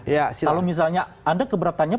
kalau misalnya anda keberatannya